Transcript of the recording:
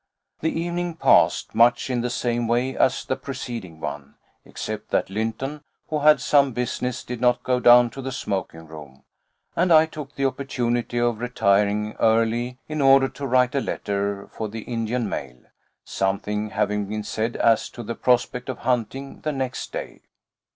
The evening passed much in the same way as the preceding one, except that Lynton, who had some business, did not go down to the smoking room, and I took the opportunity of retiring early in order to write a letter for the Indian mail, something having been said as to the prospect of hunting the next day.